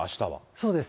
そうです。